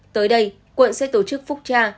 tới đây quận sẽ tổ chức phúc tra